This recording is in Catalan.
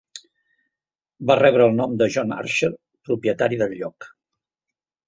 Va rebre el nom de John Archer, propietari del lloc.